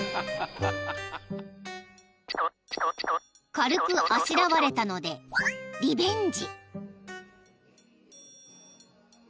［軽くあしらわれたのでリベンジ］